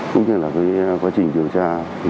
cũng như là cái quá trình điều tra